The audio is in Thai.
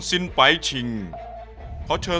ซุปไก่เมื่อผ่านการต้มก็จะเข้มขึ้น